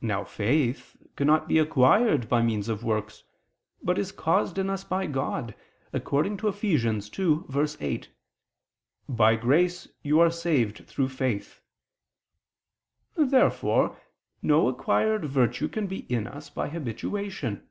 Now faith cannot be acquired by means of works, but is caused in us by God, according to Eph. 2:8: "By grace you are saved through faith." Therefore no acquired virtue can be in us by habituation.